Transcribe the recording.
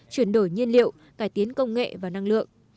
chuyển đổi nhiên liệu cải tiến công nghệ và năng lượng